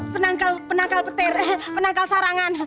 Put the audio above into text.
penangkal penangkal petir penangkal sarangan